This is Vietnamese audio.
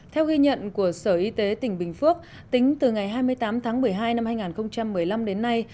theo ghi nhận của sở y tế tỉnh bình phước tính từ ngày hai mươi tám tháng một mươi hai năm hai nghìn một mươi năm đến nay